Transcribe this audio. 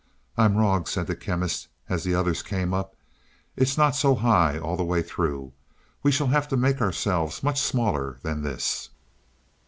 "I'm wrong," said the Chemist, as the others came up. "It's not so high all the way through. We shall have to make ourselves much smaller than this."